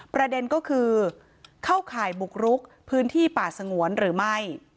ประเด็นก็คือเข้าข่ายบุกรุกพื้นที่ป่าสงวนหรือไม่